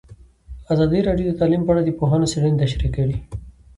ازادي راډیو د تعلیم په اړه د پوهانو څېړنې تشریح کړې.